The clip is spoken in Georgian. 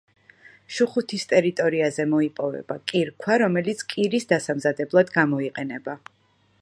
შუხუთის ტერიტორიაზე მოიპოვება კირქვა, რომელიც კირის დასამზადებლად გამოიყენება.